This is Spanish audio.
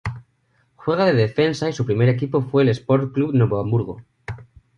Juega de defensa y su primer equipo fue Esporte Clube Novo Hamburgo.